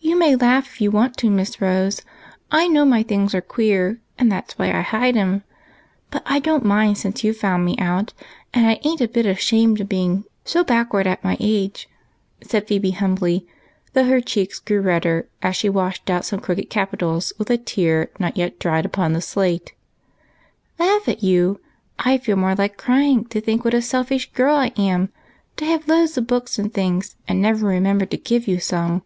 "You may laugh if you want to. Miss Rose, I know my things are queer, and that's why I hide 'em ; but I don't mind since you 've found me out, and I ain't a bit ashamed except of being so back ward at my age," said Phebe humbly, though her cheeks grew redder as she washed out some crooked capitals with a tear or two not yet dried upon the slate. " Laugh at you ! I feel more like crying to think what a selfish girl I am, to have loads of books and things and never remember to give you some.